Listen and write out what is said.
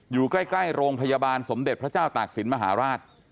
อยู่ใกล้โรงพยาบาลสมเด็จพระเจ้าตากศิลปมหาราช